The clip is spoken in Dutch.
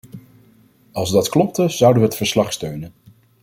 Als dat klopte, zouden we het verslag steunen.